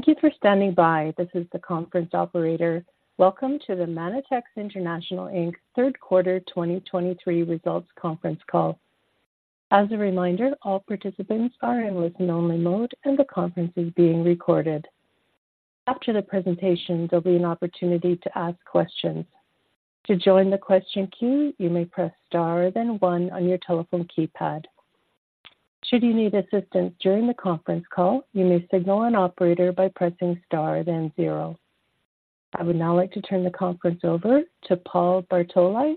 Thank you for standing by. This is the conference operator. Welcome to the Manitex International Inc. Q3 2023 Results Conference Call. As a reminder, all participants are in listen-only mode, and the conference is being recorded. After the presentation, there'll be an opportunity to ask questions. To join the question queue, you may press *, then 1 on your telephone keypad. Should you need assistance during the conference call, you may signal an operator by pressing *, then 0. I would now like to turn the conference over to Paul Bartolai,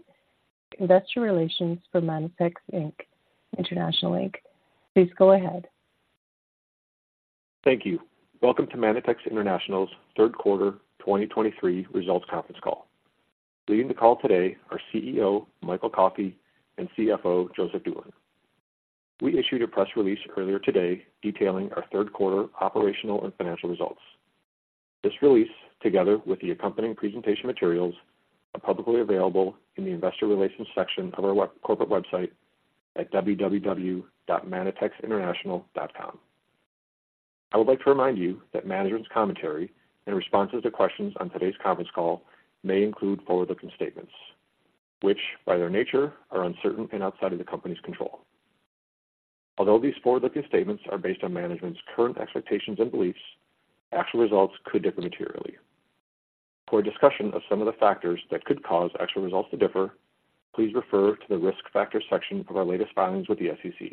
Investor Relations for Manitex International Inc. Please go ahead. Thank you. Welcome to Manitex International's Q3 2023 Results Conference Call. Leading the call today are CEO, Michael Coffey, and CFO, Joseph Doolan. We issued a press release earlier today detailing our Q3 operational and financial results. This release, together with the accompanying presentation materials, are publicly available in the Investor Relations section of our web, corporate website at www.manitexinternational.com. I would like to remind you that management's commentary and responses to questions on today's conference call may include forward-looking statements, which, by their nature, are uncertain and outside of the company's control. Although these forward-looking statements are based on management's current expectations and beliefs, actual results could differ materially. For a discussion of some of the factors that could cause actual results to differ, please refer to the Risk Factors section of our latest filings with the SEC.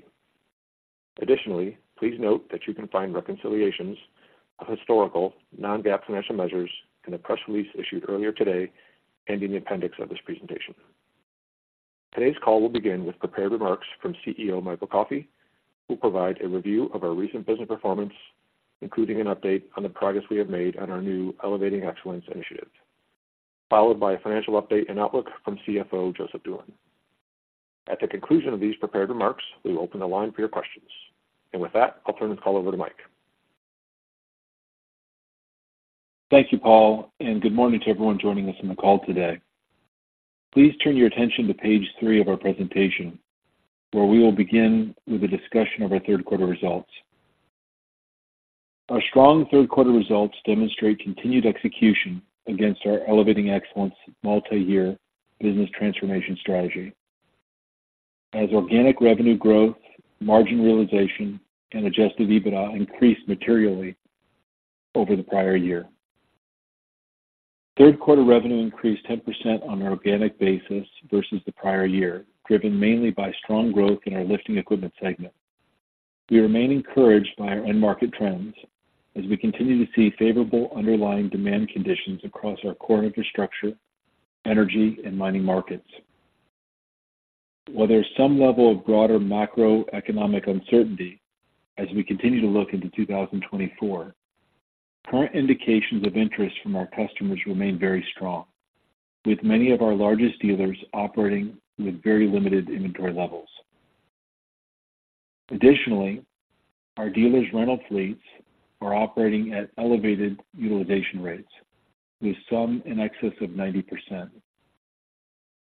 Additionally, please note that you can find reconciliations of historical non-GAAP financial measures in the press release issued earlier today and in the appendix of this presentation. Today's call will begin with prepared remarks from CEO, Michael Coffey, who will provide a review of our recent business performance, including an update on the progress we have made on our new Elevating Excellence initiative, followed by a financial update and outlook from CFO, Joseph Doolan. At the conclusion of these prepared remarks, we will open the line for your questions. With that, I'll turn the call over to Mike. Thank you, Paul, and good morning to everyone joining us on the call today. Please turn your attention to page 3 of our presentation, where we will begin with a discussion of our Q3 results. Our strong Q3 results demonstrate continued execution against our Elevating Excellence multi-year business transformation strategy as organic revenue growth, margin realization, and Adjusted EBITDA increased materially over the prior year. Q3 revenue increased 10% on an organic basis versus the prior year, driven mainly by strong growth in our lifting equipment segment. We remain encouraged by our end market trends as we continue to see favorable underlying demand conditions across our core infrastructure, energy, and mining markets. While there is some level of broader macroeconomic uncertainty as we continue to look into 2024, current indications of interest from our customers remain very strong, with many of our largest dealers operating with very limited inventory levels. Additionally, our dealers' rental fleets are operating at elevated utilization rates, with some in excess of 90%.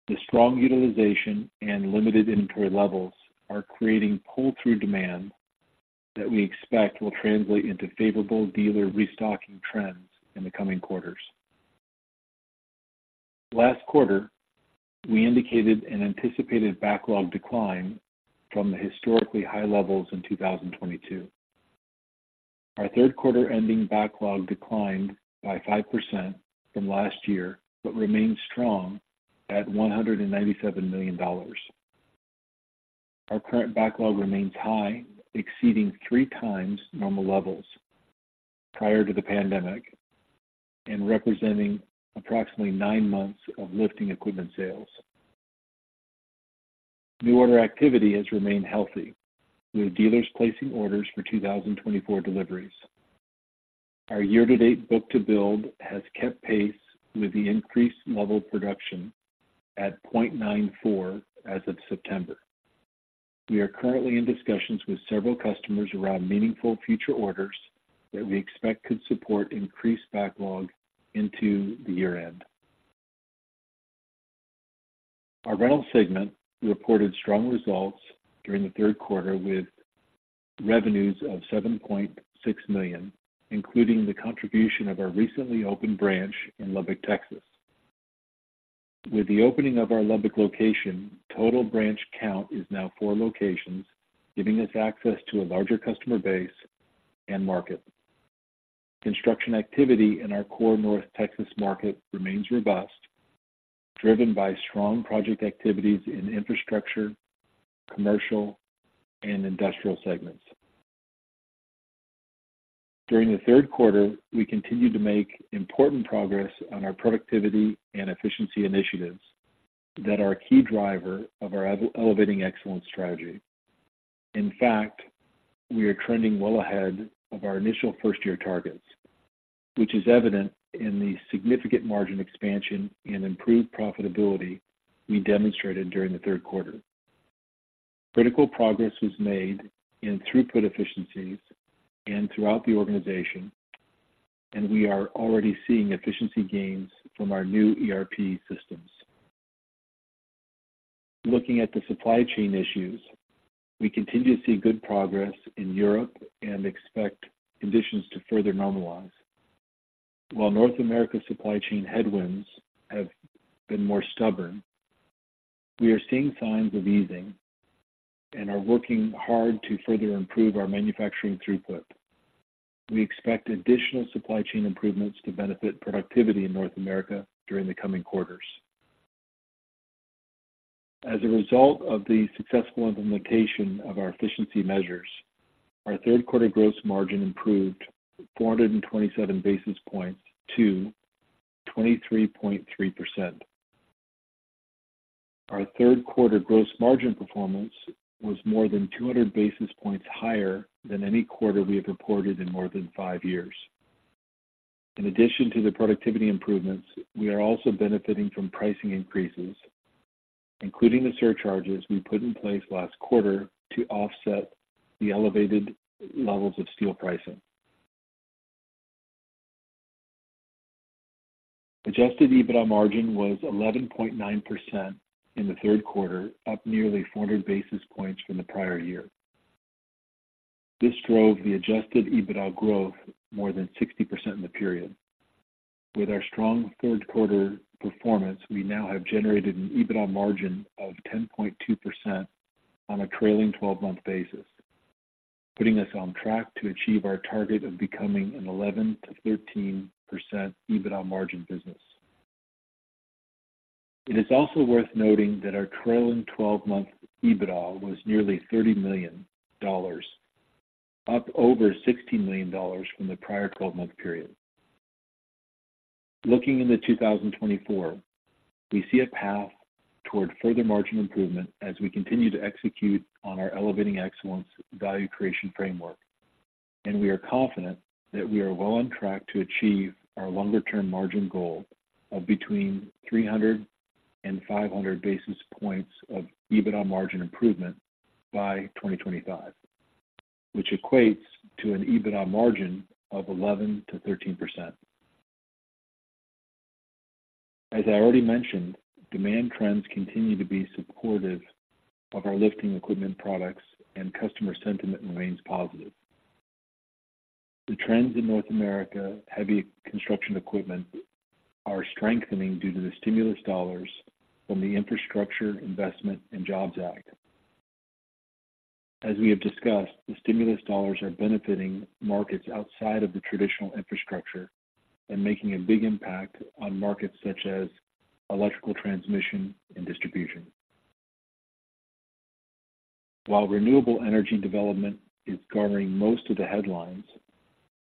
The strong utilization and limited inventory levels are creating pull-through demand that we expect will translate into favorable dealer restocking trends in the coming quarters. Last quarter, we indicated an anticipated backlog decline from the historically high levels in 2022. Our Q3-ending backlog declined by 5% from last year, but remains strong at $197 million. Our current backlog remains high, exceeding 3 times normal levels prior to the pandemic and representing approximately 9 months of lifting equipment sales. New order activity has remained healthy, with dealers placing orders for 2024 deliveries. Our year-to-date book-to-bill has kept pace with the increased level of production at 0.94 as of September. We are currently in discussions with several customers around meaningful future orders that we expect could support increased backlog into the year-end. Our rental segment reported strong results during the Q3, with revenues of $7.6 million, including the contribution of our recently opened branch in Lubbock, Texas. With the opening of our Lubbock location, total branch count is now 4 locations, giving us access to a larger customer base and market. Construction activity in our core North Texas market remains robust, driven by strong project activities in infrastructure, commercial, and industrial segments. During the Q3, we continued to make important progress on our productivity and efficiency initiatives that are a key driver of our Elevating Excellence strategy. In fact, we are trending well ahead of our initial 1-year targets, which is evident in the significant margin expansion and improved profitability we demonstrated during the Q3. Critical progress was made in throughput efficiencies and throughout the organization, and we are already seeing efficiency gains from our new ERP systems. Looking at the supply chain issues, we continue to see good progress in Europe and expect conditions to further normalize. While North America's supply chain headwinds have been more stubborn, we are seeing signs of easing and are working hard to further improve our manufacturing throughput. We expect additional supply chain improvements to benefit productivity in North America during the coming quarters. As a result of the successful implementation of our efficiency measures, our Q3 gross margin improved 427 basis points to 23.3%. Our Q3 gross margin performance was more than 200 basis points higher than any quarter we have reported in more than 5 years. In addition to the productivity improvements, we are also benefiting from pricing increases, including the surcharges we put in place last quarter to offset the elevated levels of steel pricing. Adjusted EBITDA margin was 11.9% in the Q3, up nearly 400 basis points from the prior year. This drove the adjusted EBITDA growth more than 60% in the period. With our strong Q3 performance, we now have generated an EBITDA margin of 10.2% on a trailing 12-month basis, putting us on track to achieve our target of becoming an 11%-13% EBITDA margin business. It is also worth noting that our trailing 12-month EBITDA was nearly $30 million, up over $16 million from the prior 12-month period. Looking into 2024, we see a path toward further margin improvement as we continue to execute on our Elevating Excellence value creation framework, and we are confident that we are well on track to achieve our longer-term margin goal of between 300 and 500 basis points of EBITDA margin improvement by 2025, which equates to an EBITDA margin of 11%-13%. As I already mentioned, demand trends continue to be supportive of our lifting equipment products, and customer sentiment remains positive. The trends in North America heavy construction equipment are strengthening due to the stimulus dollars from the Infrastructure Investment and Jobs Act. As we have discussed, the stimulus dollars are benefiting markets outside of the traditional infrastructure and making a big impact on markets such as electrical transmission and distribution. While renewable energy development is garnering most of the headlines,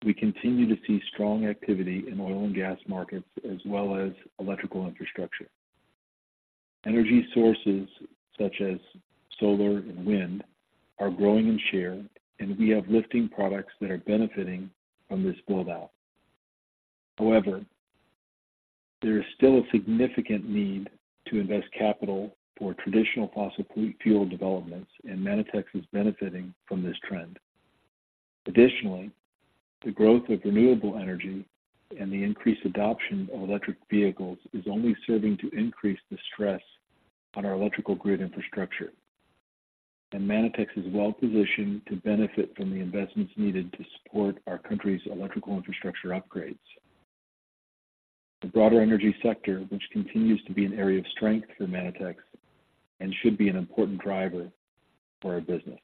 we continue to see strong activity in oil and gas markets as well as electrical infrastructure. Energy sources, such as solar and wind, are growing in share, and we have lifting products that are benefiting from this build-out. However, there is still a significant need to invest capital for traditional fossil fuel developments, and Manitex is benefiting from this trend. Additionally, the growth of renewable energy and the increased adoption of electric vehicles is only serving to increase the stress on our electrical grid infrastructure, and Manitex is well positioned to benefit from the investments needed to support our country's electrical infrastructure upgrades. The broader energy sector, which continues to be an area of strength for Manitex and should be an important driver for our business.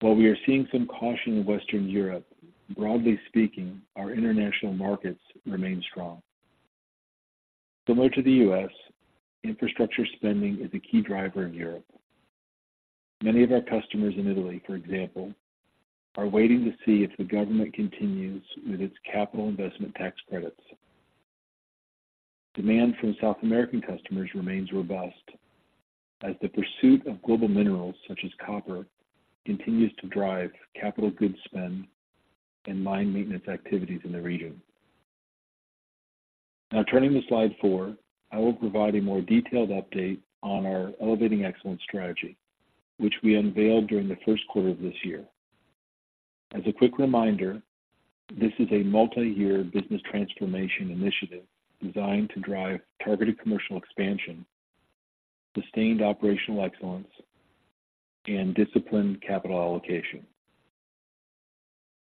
While we are seeing some caution in Western Europe, broadly speaking, our international markets remain strong. Similar to the U.S., infrastructure spending is a key driver in Europe. Many of our customers in Italy, for example, are waiting to see if the government continues with its capital investment tax credits. Demand from South American customers remains robust, as the pursuit of global minerals, such as copper, continues to drive capital goods spend and mine maintenance activities in the region. Now, turning to slide 4, I will provide a more detailed update on our Elevating Excellence strategy, which we unveiled during the Q1 of this year. As a quick reminder, this is a multi-year business transformation initiative designed to drive targeted commercial expansion, sustained operational excellence, and disciplined capital allocation.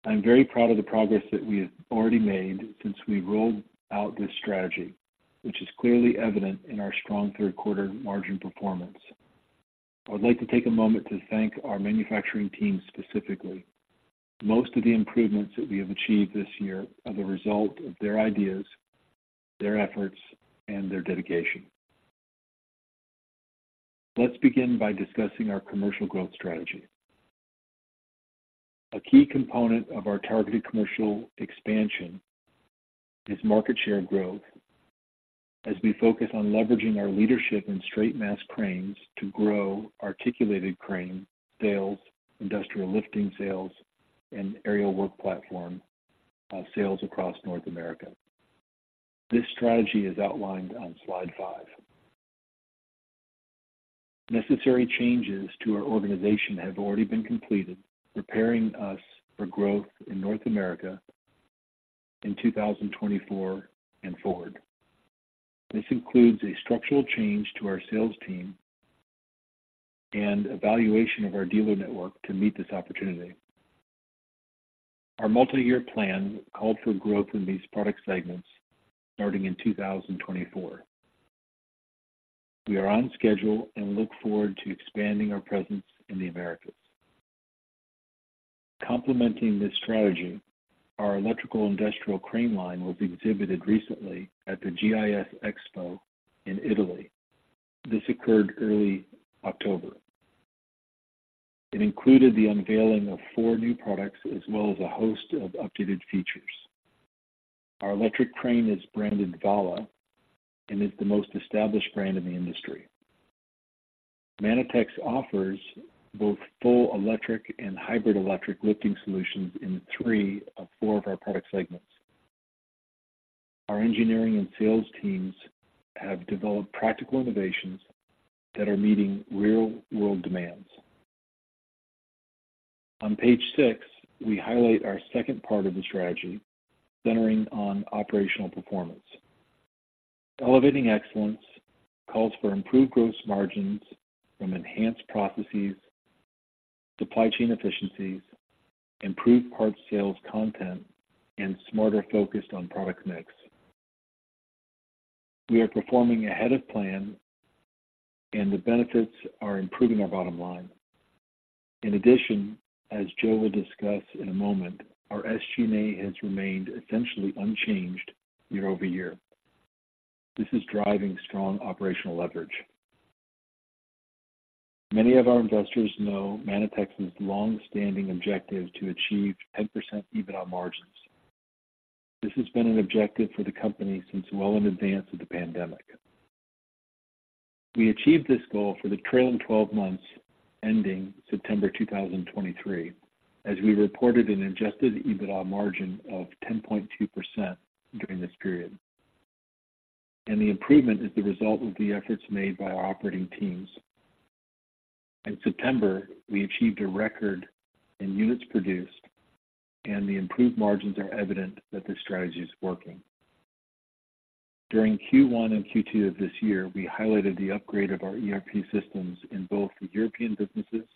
I'm very proud of the progress that we have already made since we rolled out this strategy, which is clearly evident in our strong Q3 margin performance. I would like to take a moment to thank our manufacturing team specifically. Most of the improvements that we have achieved this year are the result of their ideas, their efforts, and their dedication. Let's begin by discussing our commercial growth strategy. A key component of our targeted commercial expansion is market share growth as we focus on leveraging our leadership in straight mast cranes to grow articulated crane sales, industrial lifting sales, and aerial work platform sales across North America. This strategy is outlined on slide 5. Necessary changes to our organization have already been completed, preparing us for growth in North America in 2024 and forward. This includes a structural change to our sales team and evaluation of our dealer network to meet this opportunity. Our multi-year plan called for growth in these product segments starting in 2024. We are on schedule and look forward to expanding our presence in the Americas. Complementing this strategy, our electrical industrial crane line was exhibited recently at the GIS Expo in Italy. This occurred early October. It included the unveiling of 4 new products as well as a host of updated features. Our electric crane is branded Valla and is the most established brand in the industry. Manitex offers both full electric and hybrid electric lifting solutions in 3 of 4 of our product segments. Our engineering and sales teams have developed practical innovations that are meeting real-world demands. On page 6, we highlight our second part of the strategy, centering on operational performance. Elevating Excellence calls for improved gross margins from enhanced processes, supply chain efficiencies, improved parts sales content, and smarter focused on product mix. We are performing ahead of plan, and the benefits are improving our bottom line. In addition, as Joe will discuss in a moment, our SG&A has remained essentially unchanged year-over-year. This is driving strong operational leverage. Many of our investors know Manitex's long-standing objective to achieve 10% EBITDA margins. This has been an objective for the company since well in advance of the pandemic. We achieved this goal for the trailing 12 months, ending September 2023, as we reported an adjusted EBITDA margin of 10.2% during this period. The improvement is the result of the efforts made by our operating teams. In September, we achieved a record in units produced, and the improved margins are evident that this strategy is working. During Q1 and Q2 of this year, we highlighted the upgrade of our ERP systems in both the European businesses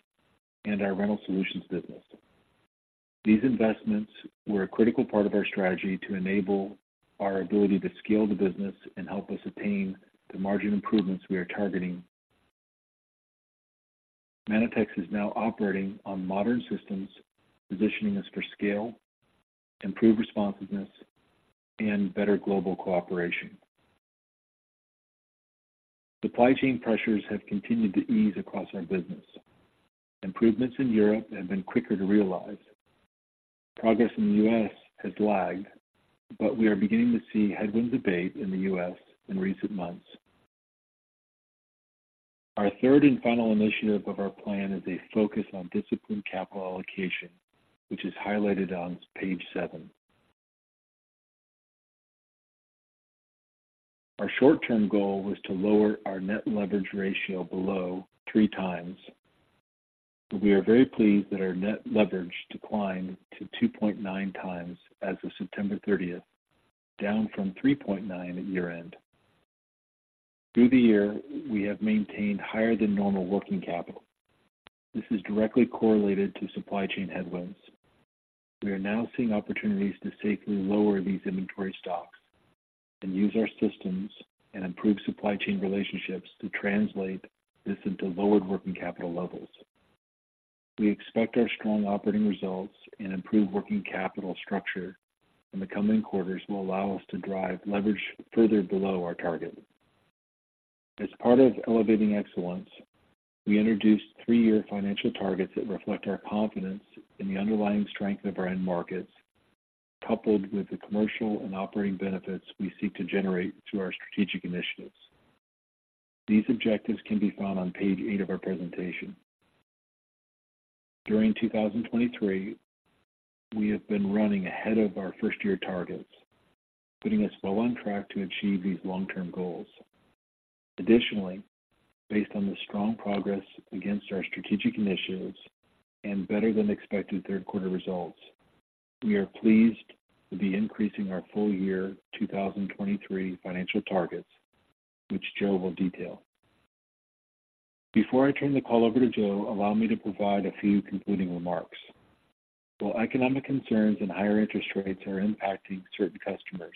and our rental solutions business. These investments were a critical part of our strategy to enable our ability to scale the business and help us attain the margin improvements we are targeting. Manitex is now operating on modern systems, positioning us for scale, improved responsiveness, and better global cooperation. Supply chain pressures have continued to ease across our business. Improvements in Europe have been quicker to realize. Progress in the U.S. has lagged, but we are beginning to see headwinds abate in the U.S. in recent months. Our third and final initiative of our plan is a focus on disciplined capital allocation, which is highlighted on page 7. Our short-term goal was to lower our net leverage ratio below 3 times. We are very pleased that our net leverage declined to 2.9 times as of September 30, down from 3.9 at year-end. Through the year, we have maintained higher than normal working capital. This is directly correlated to supply chain headwinds. We are now seeing opportunities to safely lower these inventory stocks and use our systems and improve supply chain relationships to translate this into lowered working capital levels. We expect our strong operating results and improved working capital structure in the coming quarters will allow us to drive leverage further below our target. As part of Elevating Excellence, we introduced 3-year financial targets that reflect our confidence in the underlying strength of our end markets, coupled with the commercial and operating benefits we seek to generate through our strategic initiatives. These objectives can be found on page 8 of our presentation. During 2023, we have been running ahead of our 1-year targets, putting us well on track to achieve these long-term goals. Additionally, based on the strong progress against our strategic initiatives and better-than-expected Q3 results, we are pleased with the increasing our full-year 2023 financial targets, which Joe will detail. Before I turn the call over to Joe, allow me to provide a few concluding remarks. While economic concerns and higher interest rates are impacting certain customers,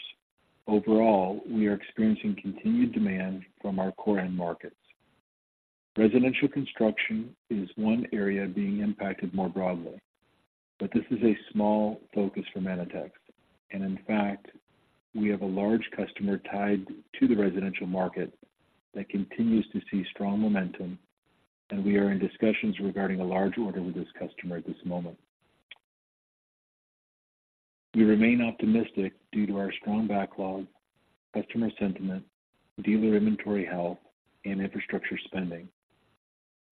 overall, we are experiencing continued demand from our core end markets. Residential construction is 1 area being impacted more broadly, but this is a small focus for Manitex, and in fact, we have a large customer tied to the residential market that continues to see strong momentum, and we are in discussions regarding a large order with this customer at this moment. We remain optimistic due to our strong backlog, customer sentiment, dealer inventory health, and infrastructure spending.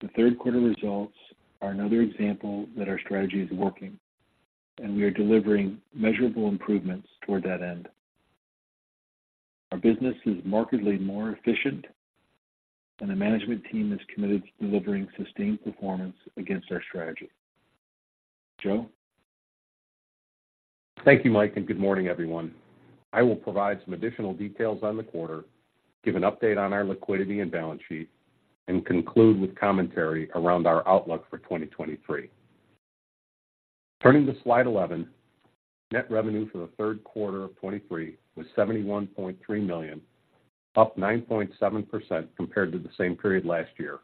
The Q3 results are another example that our strategy is working, and we are delivering measurable improvements toward that end.... Our business is markedly more efficient, and the management team is committed to delivering sustained performance against our strategy. Joe? Thank you, Mike, and good morning, everyone. I will provide some additional details on the quarter, give an update on our liquidity and balance sheet, and conclude with commentary around our outlook for 2023. Turning to slide 11, net revenue for the Q3 of 2023 was $71.3 million, up 9.7% compared to the same period last year.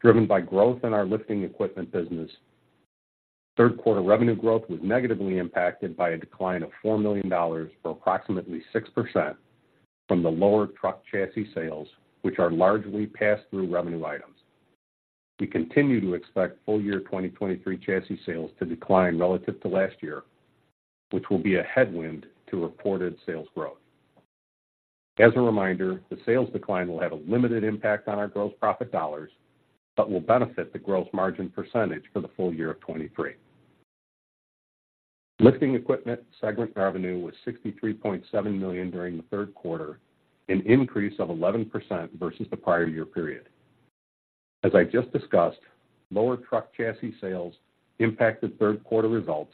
Driven by growth in our lifting equipment business, Q3 revenue growth was negatively impacted by a decline of $4 million, or approximately 6%, from the lower truck chassis sales, which are largely passed through revenue items. We continue to expect full year 2023 chassis sales to decline relative to last year, which will be a headwind to reported sales growth. As a reminder, the sales decline will have a limited impact on our gross profit dollars, but will benefit the gross margin percentage for the full year of 2023. Lifting equipment segment revenue was $63.7 million during the Q3, an increase of 11% versus the prior year period. As I just discussed, lower truck chassis sales impacted Q3 results,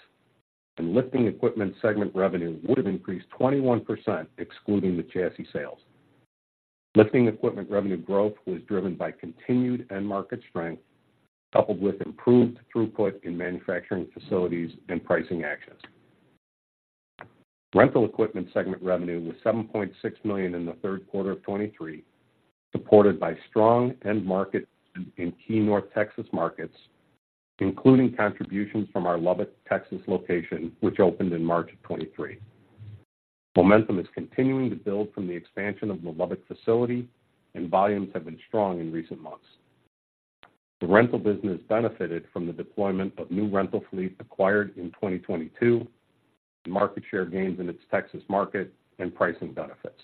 and lifting equipment segment revenue would have increased 21%, excluding the chassis sales. Lifting equipment revenue growth was driven by continued end market strength, coupled with improved throughput in manufacturing facilities and pricing actions. Rental equipment segment revenue was $7.6 million in the Q3 of 2023, supported by strong end market in key North Texas markets, including contributions from our Lubbock, Texas, location, which opened in March of 2023. Momentum is continuing to build from the expansion of the Lubbock facility, and volumes have been strong in recent months. The rental business benefited from the deployment of new rental fleet acquired in 2022, market share gains in its Texas market, and pricing benefits.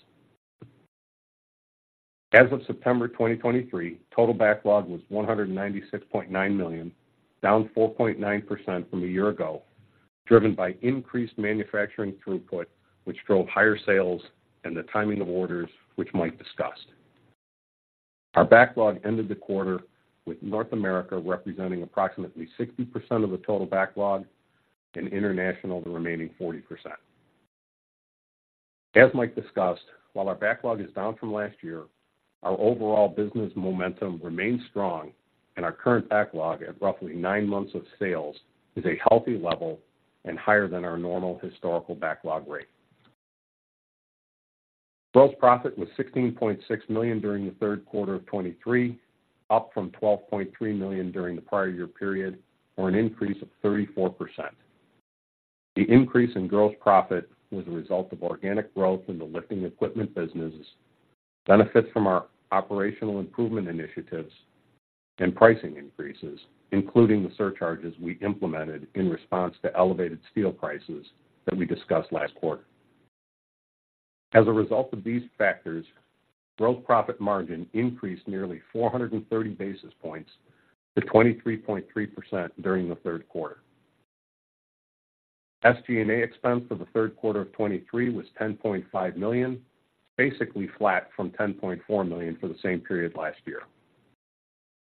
As of September 2023, total backlog was $196.9 million, down 4.9% from a year ago, driven by increased manufacturing throughput, which drove higher sales and the timing of orders which Mike discussed. Our backlog ended the quarter, with North America representing approximately 60% of the total backlog and international, the remaining 40%. As Mike discussed, while our backlog is down from last year, our overall business momentum remains strong and our current backlog at roughly 9 months of sales, is a healthy level and higher than our normal historical backlog rate. Gross profit was $16.6 million during the Q3 of 2023, up from $12.3 million during the prior year period, or an increase of 34%. The increase in gross profit was a result of organic growth in the lifting equipment businesses, benefits from our operational improvement initiatives and pricing increases, including the surcharges we implemented in response to elevated steel prices that we discussed last quarter. As a result of these factors, gross profit margin increased nearly 430 basis points to 23.3% during the Q3. SG&A expense for the Q3 of 2023 was $10.5 million, basically flat from $10.4 million for the same period last year.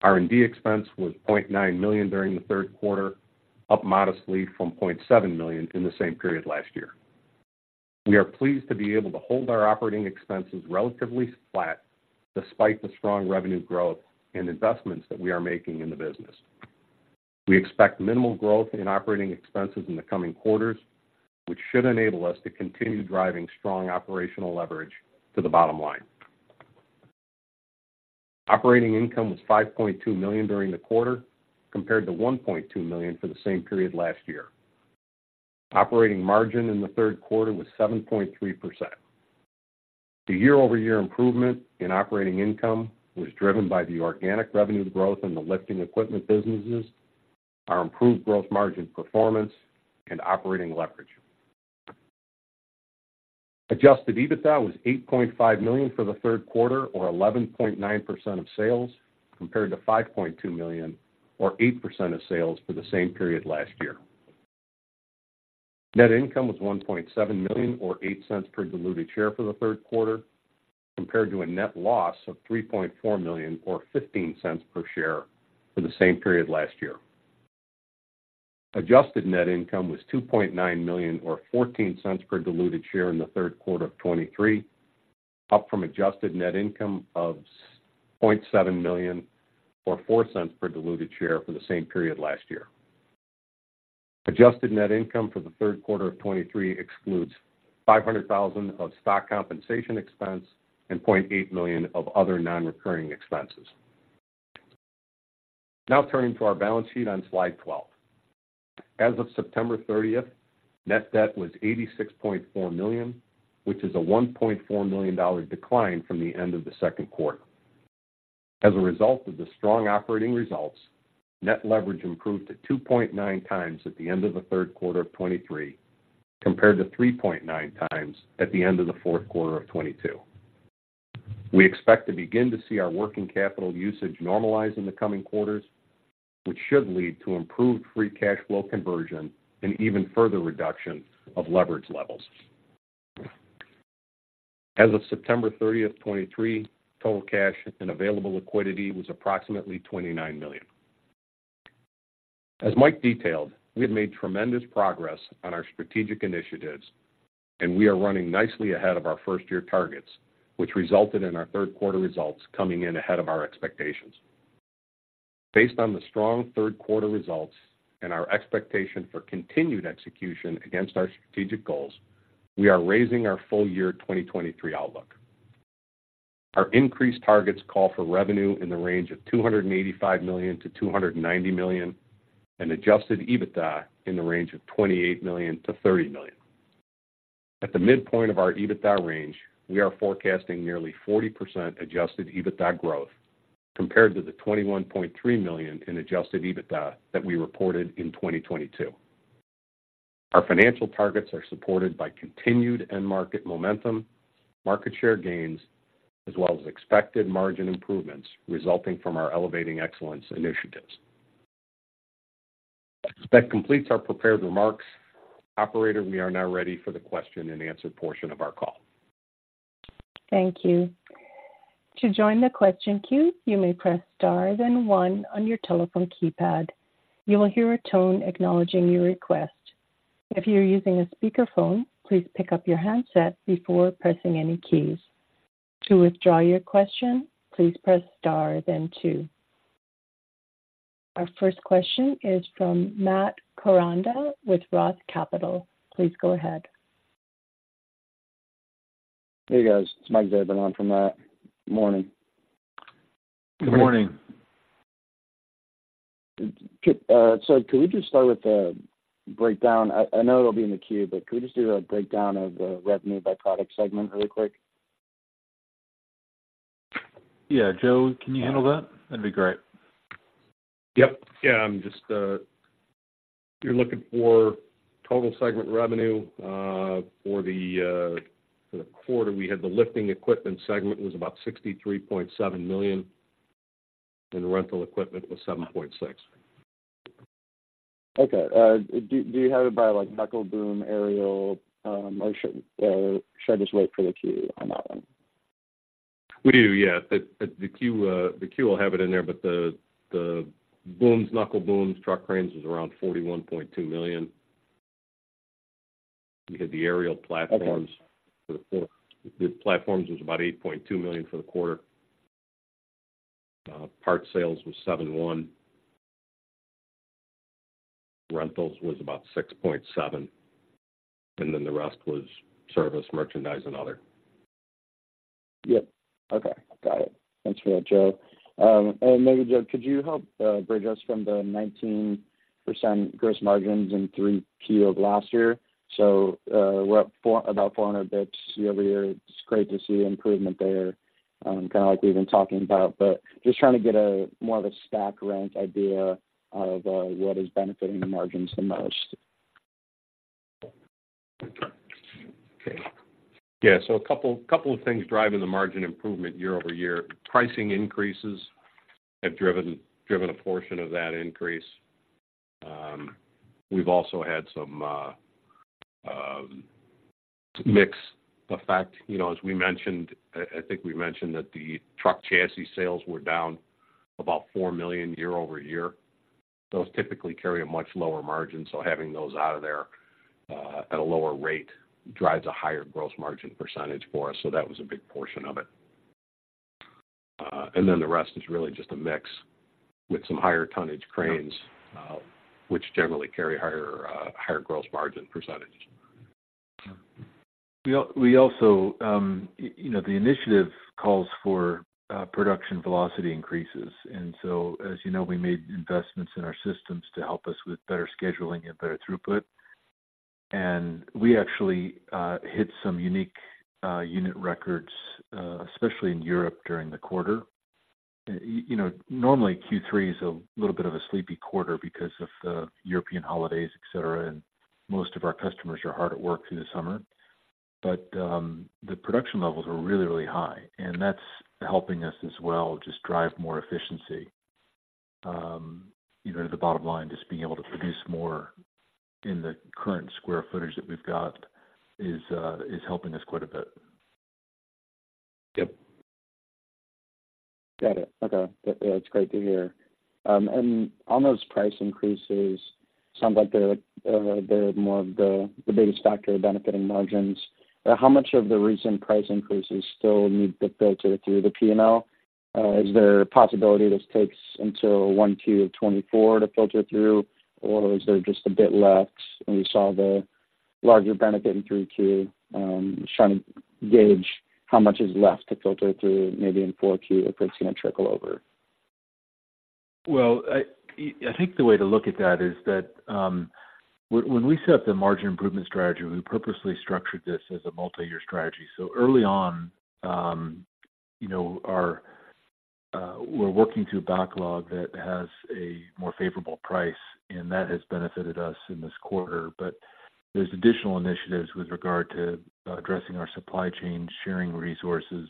R&D expense was $0.9 million during the Q3, up modestly from $0.7 million in the same period last year. We are pleased to be able to hold our operating expenses relatively flat, despite the strong revenue growth and investments that we are making in the business. We expect minimal growth in operating expenses in the coming quarters, which should enable us to continue driving strong operational leverage to the bottom line. Operating income was $5.2 million during the quarter, compared to $1.2 million for the same period last year. Operating margin in the Q3 was 7.3%. The year-over-year improvement in operating income was driven by the organic revenue growth in the lifting equipment businesses, our improved gross margin performance, and operating leverage. Adjusted EBITDA was $8.5 million for the Q3 or 11.9% of sales, compared to $5.2 million or 8% of sales for the same period last year. Net income was $1.7 million, or $0.08 per diluted share for the Q3, compared to a net loss of $3.4 million, or $0.15 per share for the same period last year. Adjusted net income was $2.9 million, or $0.14 per diluted share in the Q3 of 2023, up from adjusted net income of $0.7 million, or $0.04 per diluted share for the same period last year. Adjusted net income for the Q3 of 2023 excludes $500,000 of stock compensation expense and $0.8 million of other non-recurring expenses. Now turning to our balance sheet on slide 12. As of September 30, net debt was $86.4 million, which is a $1.4 million decline from the end of the Q2. As a result of the strong operating results, net leverage improved to 2.9 times at the end of the Q3 of 2023, compared to 3.9 times at the end of the Q4 of 2022. We expect to begin to see our working capital usage normalize in the coming quarters, which should lead to improved free cash flow conversion and even further reduction of leverage levels. As of September 30, 2023, total cash and available liquidity was approximately $29 million. As Mike detailed, we have made tremendous progress on our strategic initiatives, and we are running nicely ahead of our 1-year targets, which resulted in our Q3 results coming in ahead of our expectations. Based on the strong Q3 results and our expectation for continued execution against our strategic goals, we are raising our full year 2023 outlook. Our increased targets call for revenue in the range of $285 million-$290 million, and adjusted EBITDA in the range of $28 million-$30 million. At the midpoint of our EBITDA range, we are forecasting nearly 40% adjusted EBITDA growth compared to the $21.3 million in adjusted EBITDA that we reported in 2022. Our financial targets are supported by continued end market momentum, market share gains, as well as expected margin improvements resulting from our Elevating Excellence initiatives. That completes our prepared remarks. Operator, we are now ready for the question-and-answer portion of our call. Thank you. To join the question queue, you may press *, then 1 on your telephone keypad. You will hear a tone acknowledging your request. If you're using a speakerphone, please pick up your handset before pressing any keys. To withdraw your question, please press * then 2. Our first question is from Matt Koranda with Roth Capital. Please go ahead. Hey, guys, it's Mike Zabran on from Matt. Morning. Good morning. Could we just start with the breakdown? I know it'll be in the queue, but could we just do a breakdown of the revenue by product segment really quick? Yeah. Joe, can you handle that? That'd be great. Yep. Yeah, I'm just, you're looking for total segment revenue, for the quarter, we had the lifting equipment segment was about $63.7 million, and the rental equipment was $7.6 million. Okay. Do you have it by, like, knuckle, boom, aerial? Or should I just wait for the cue on that one? We do, yeah. The queue will have it in there, but the booms, knuckle booms, truck cranes was around $41.2 million. We had the aerial platforms- Okay. The platforms was about $8.2 million for the quarter. Parts sales was $7.1 million. Rentals was about $6.7 million, and then the rest was service, merchandise, and other. Yep. Okay, got it. Thanks for that, Joe. And maybe, Joe, could you help bridge us from the 19% gross margins in 3Q of last year? So, we're up about 400 basis points year-over-year. It's great to see improvement there, kinda like we've been talking about, but just trying to get more of a stack rank idea of what is benefiting the margins the most. Okay. Yeah, so a couple of things driving the margin improvement year-over-year. Pricing increases have driven a portion of that increase. We've also had some mix effect. You know, as we mentioned, I think we mentioned that the truck chassis sales were down about $4 million year-over-year. Those typically carry a much lower margin, so having those out of there at a lower rate drives a higher gross margin percentage for us. So that was a big portion of it. And then the rest is really just a mix with some higher tonnage cranes, which generally carry higher gross margin percentage. We also, you know, the initiative calls for production velocity increases. And so, as you know, we made investments in our systems to help us with better scheduling and better throughput. And we actually hit some unique unit records especially in Europe during the quarter. You know, normally, Q3 is a little bit of a sleepy quarter because of the European holidays, et cetera, and most of our customers are hard at work through the summer. But the production levels are really, really high, and that's helping us as well, just drive more efficiency. You know, the bottom line, just being able to produce more in the current square footage that we've got is helping us quite a bit. Yep. Got it. Okay. Yeah, it's great to hear. And on those price increases, sounds like they're the biggest factor benefiting margins. How much of the recent price increases still need to filter through the P&L? Is there a possibility this takes until 1Q of 2024 to filter through, or is there just a bit left, and we saw the larger benefit in 3Q? Just trying to gauge how much is left to filter through, maybe in 4Q, if it's gonna trickle over. Well, I think the way to look at that is that, when we set the margin improvement strategy, we purposely structured this as a multi-year strategy. So early on, you know, our...... we're working to a backlog that has a more favorable price, and that has benefited us in this quarter. But there's additional initiatives with regard to addressing our supply chain, sharing resources.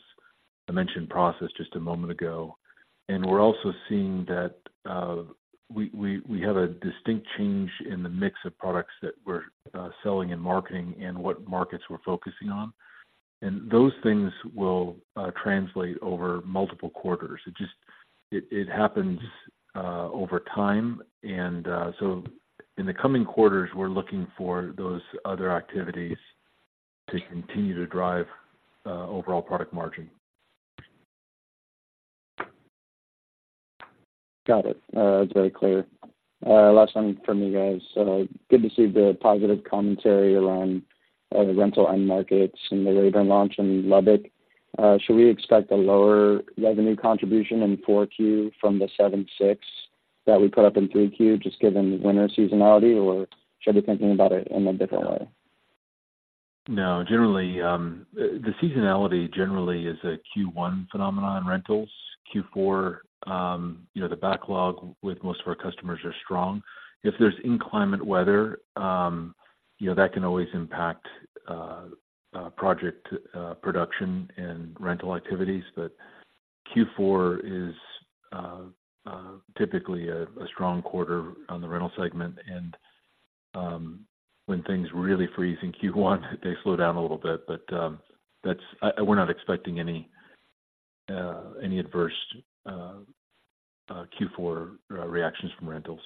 I mentioned process just a moment ago, and we're also seeing that we have a distinct change in the mix of products that we're selling and marketing and what markets we're focusing on. And those things will translate over multiple quarters. It just happens over time. And so in the coming quarters, we're looking for those other activities to continue to drive overall product margin. Got it. It's very clear. Last one from you guys. So good to see the positive commentary around the rental end markets and the later launch in Lubbock. Should we expect a lower revenue contribution in 4Q from the $7.6 that we put up in 3Q, just given the winter seasonality, or should I be thinking about it in a different way? No, generally, the seasonality generally is a Q1 phenomenon in rentals. Q4, you know, the backlog with most of our customers are strong. If there's inclement weather, you know, that can always impact project production and rental activities. But Q4 is typically a strong quarter on the rental segment, and when things really freeze in Q1, they slow down a little bit. But that's-- we're not expecting any adverse Q4 reactions from rentals.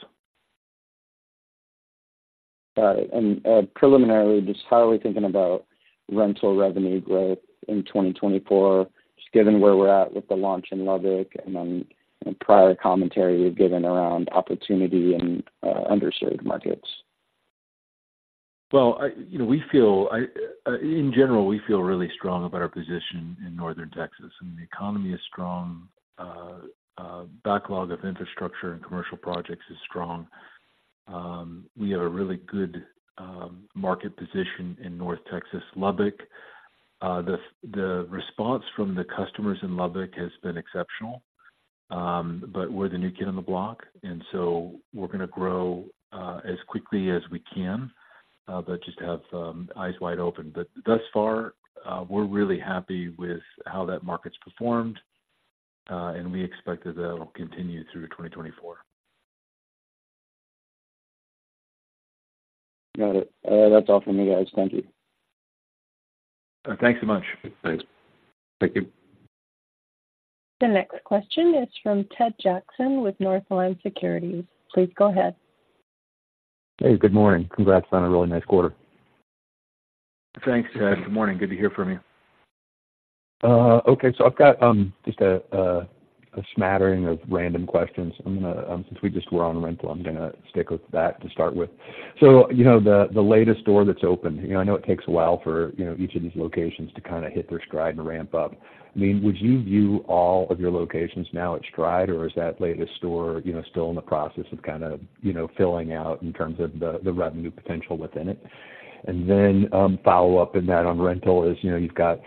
Got it. And, preliminarily, just how are we thinking about rental revenue growth in 2024, just given where we're at with the launch in Lubbock and then any prior commentary you've given around opportunity and underserved markets? Well, you know, we feel really strong about our position in North Texas, and the economy is strong. Backlog of infrastructure and commercial projects is strong. We have a really good market position in North Texas. Lubbock, the response from the customers in Lubbock has been exceptional. But we're the new kid on the block, and so we're gonna grow as quickly as we can, but just have eyes wide open. But thus far, we're really happy with how that market's performed, and we expect that that'll continue through 2024. Got it. That's all from me, guys. Thank you. Thanks so much. Thanks. Thank you. The next question is from Ted Jackson with Northland Securities. Please go ahead. Hey, good morning. Congrats on a really nice quarter. Thanks, Ted. Good morning. Good to hear from you. Okay, so I've got just a smattering of random questions. I'm gonna, since we just were on rental, I'm gonna stick with that to start with. So, you know, the latest store that's opened, you know, I know it takes a while for, you know, each of these locations to kind of hit their stride and ramp up. I mean, would you view all of your locations now at stride, or is that latest store, you know, still in the process of kind of, you know, filling out in terms of the revenue potential within it? And then, follow up in that on rental is, you know, you've got,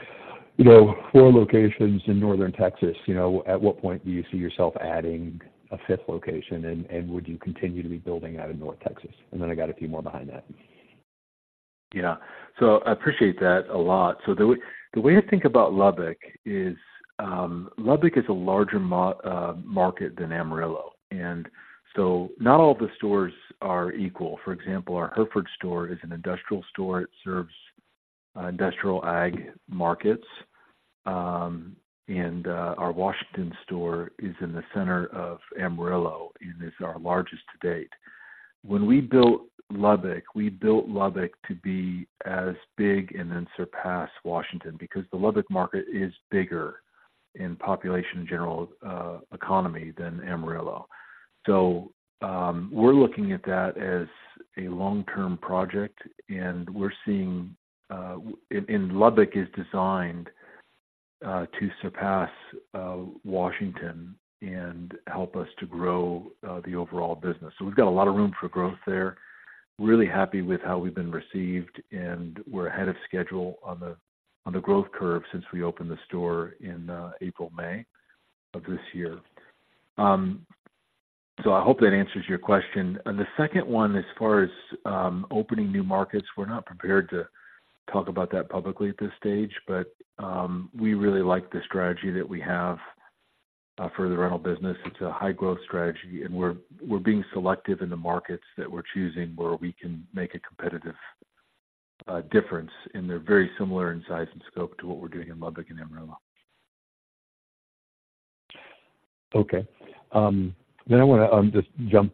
you know, 4 locations in North Texas. You know, at what point do you see yourself adding a 5th location, and would you continue to be building out in North Texas? And then I got a few more behind that. Yeah. So I appreciate that a lot. So the way, the way I think about Lubbock is, Lubbock is a larger market than Amarillo, and so not all the stores are equal. For example, our Hereford store is an industrial store. It serves industrial ag markets. And our Washington store is in the center of Amarillo and is our largest to date. When we built Lubbock, we built Lubbock to be as big and then surpass Washington, because the Lubbock market is bigger in population, general economy than Amarillo. So we're looking at that as a long-term project, and we're seeing. And Lubbock is designed to surpass Washington and help us to grow the overall business. So we've got a lot of room for growth there. Really happy with how we've been received, and we're ahead of schedule on the growth curve since we opened the store in April, May of this year. So I hope that answers your question. The second one, as far as opening new markets, we're not prepared to talk about that publicly at this stage, but we really like the strategy that we have for the rental business. It's a high growth strategy, and we're being selective in the markets that we're choosing, where we can make a competitive difference, and they're very similar in size and scope to what we're doing in Lubbock and Amarillo. Okay. Then I want to just jump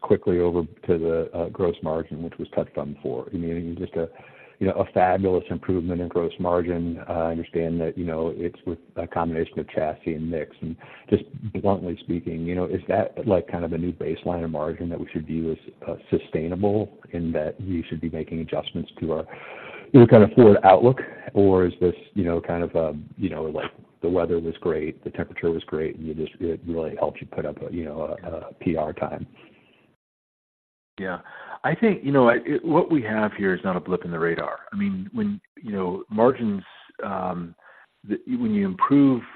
quickly over to the gross margin, which was touched on before. I mean, just, you know, a fabulous improvement in gross margin. I understand that, you know, it's with a combination of chassis and mix. And just bluntly speaking, you know, is that like kind of a new baseline or margin that we should view as sustainable and that you should be making adjustments to our, you know, kind of forward outlook? Or is this, you know, kind of a, you know, like the weather was great, the temperature was great, and you just, it really helped you put up a, you know, a PR time?... Yeah, I think, you know, what we have here is not a blip in the radar. I mean, when you improve margins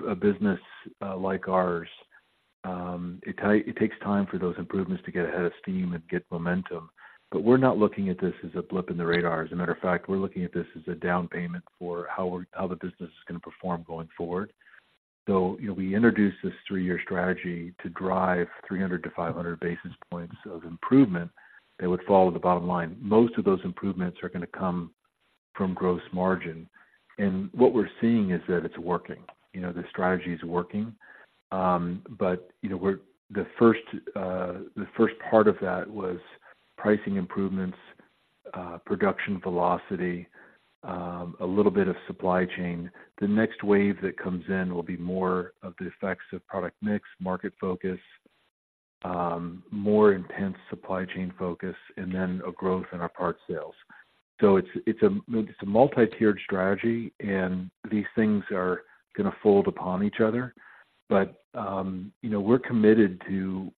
in a business like ours, it takes time for those improvements to get a head of steam and get momentum. But we're not looking at this as a blip in the radar. As a matter of fact, we're looking at this as a down payment for how we're, how the business is going to perform going forward. So, you know, we introduced this 3-year strategy to drive 300-500 basis points of improvement that would fall on the bottom line. Most of those improvements are going to come from gross margin, and what we're seeing is that it's working. You know, the strategy is working. But, you know, we're—the first part of that was pricing improvements, production velocity, a little bit of supply chain. The next wave that comes in will be more of the effects of product mix, market focus, more intense supply chain focus, and then a growth in our parts sales. So it's a multi-tiered strategy, and these things are going to fold upon each other. But, you know, we're committed to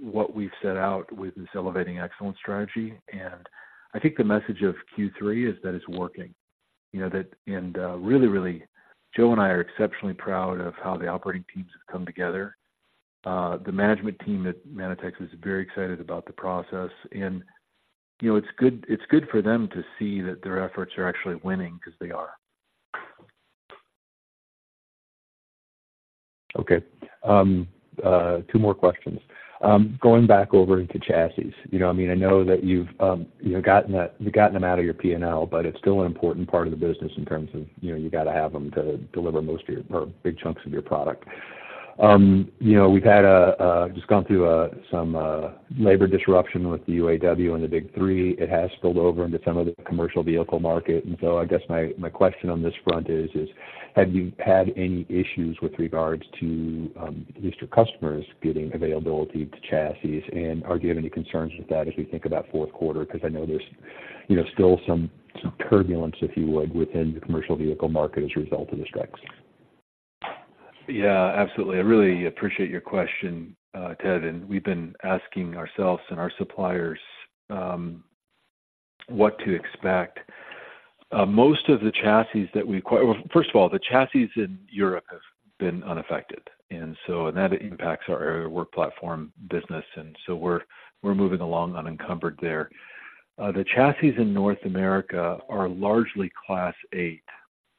what we've set out with this Elevating Excellence strategy, and I think the message of Q3 is that it's working. You know, that and, really, really, Joe and I are exceptionally proud of how the operating teams have come together. The management team at Manitex is very excited about the process and, you know, it's good, it's good for them to see that their efforts are actually winning, because they are. Okay, 2 more questions. Going back over into chassis. You know, I mean, I know that you've, you've gotten that, you've gotten them out of your PNL, but it's still an important part of the business in terms of, you know, you got to have them to deliver most of your, or big chunks of your product. You know, we've just gone through some labor disruption with the UAW and the Big 3. It has spilled over into some of the commercial vehicle market. And so I guess my question on this front is, have you had any issues with regards to at least your customers getting availability to chassis? And are you having any concerns with that as we think about Q4? Because I know there's, you know, still some turbulence, if you would, within the commercial vehicle market as a result of the strikes. Yeah, absolutely. I really appreciate your question, Ted, and we've been asking ourselves and our suppliers, what to expect. Most of the chassis that we acquire. Well, first of all, the chassis in Europe have been unaffected, and so and that impacts our work platform business, and so we're moving along unencumbered there. The chassis in North America are largely Class 8,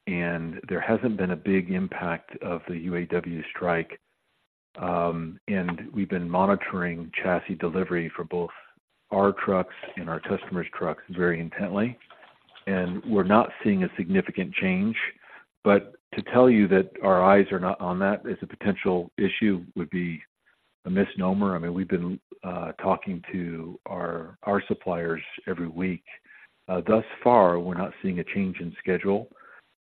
and there hasn't been a big impact of the UAW strike. And we've been monitoring chassis delivery for both our trucks and our customers' trucks very intently, and we're not seeing a significant change. But to tell you that our eyes are not on that as a potential issue would be a misnomer. I mean, we've been talking to our suppliers every week. Thus far, we're not seeing a change in schedule,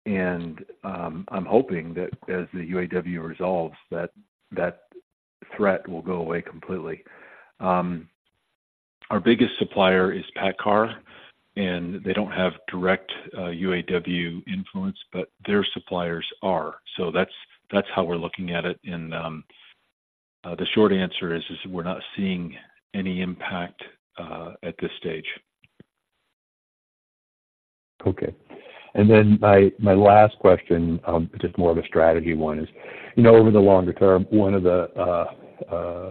and I'm hoping that as the UAW resolves, that threat will go away completely. Our biggest supplier is PACCAR, and they don't have direct UAW influence, but their suppliers are. That's how we're looking at it, and the short answer is we're not seeing any impact at this stage. Okay. And then my last question, just more of a strategy one is, you know, over the longer term, one of the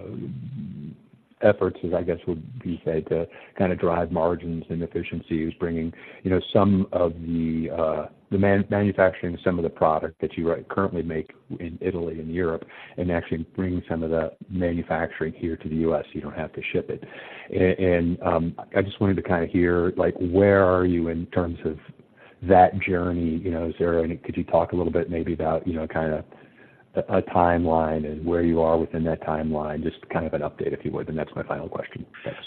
efforts, as I guess would be said, to kind of drive margins and efficiency is bringing, you know, some of the manufacturing some of the product that you currently make in Italy and Europe, and actually bringing some of the manufacturing here to the U.S., you don't have to ship it. And I just wanted to hear like, where are you in terms of that journey? You know, is there any... Could you talk a little bit, maybe about, you know, kind of a timeline and where you are within that timeline? Just kind of an update, if you would, and that's my final question. Thanks.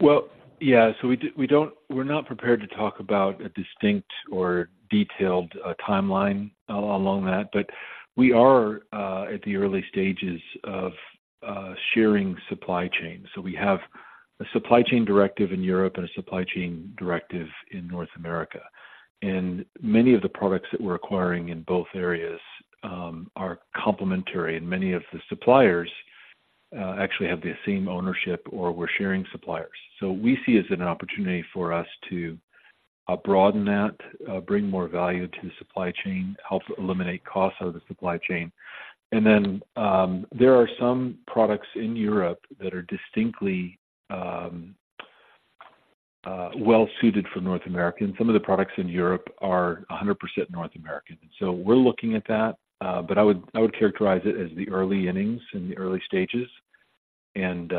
Well, yeah. So we don't, we're not prepared to talk about a distinct or detailed timeline along that, but we are at the early stages of sharing supply chain. So we have a supply chain directive in Europe and a supply chain directive in North America. And many of the products that we're acquiring in both areas are complementary, and many of the suppliers actually have the same ownership or we're sharing suppliers. So we see as an opportunity for us to broaden that, bring more value to the supply chain, help eliminate costs out of the supply chain. And then there are some products in Europe that are distinctly well suited for North America, and some of the products in Europe are 100% North American. So we're looking at that, but I would, I would characterize it as the early innings and the early stages. And,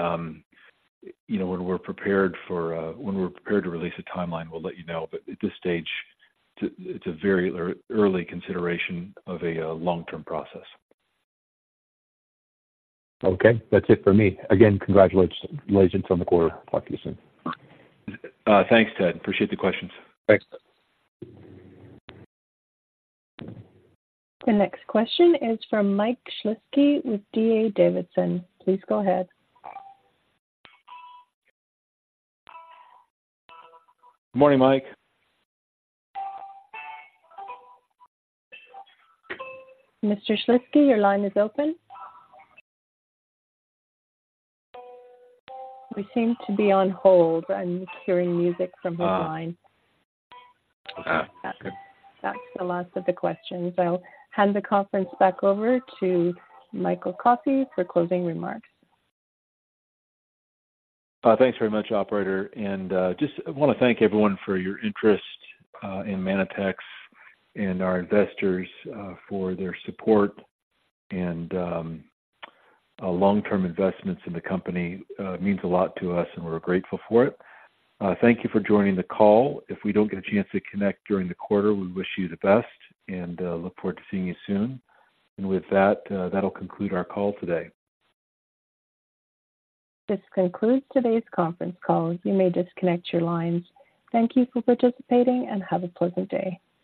you know, when we're prepared to release a timeline, we'll let you know. But at this stage, it's a very early consideration of a long-term process. Okay, that's it for me. Again, congratulations on the quarter. Talk to you soon. Thanks, Ted. Appreciate the questions. Thanks. The next question is from Mike Shlisky with D.A. Davidson. Please go ahead. Good morning, Mike. Mr. Shlisky, your line is open. We seem to be on hold. I'm hearing music from your line. Ah. Okay. That's the last of the questions. I'll hand the conference back over to Michael Coffey for closing remarks. Thanks very much, operator. And just want to thank everyone for your interest in Manitex and our investors for their support and long-term investments in the company. It means a lot to us, and we're grateful for it. Thank you for joining the call. If we don't get a chance to connect during the quarter, we wish you the best and look forward to seeing you soon. And with that, that'll conclude our call today. This concludes today's conference call. You may disconnect your lines. Thank you for participating and have a pleasant day.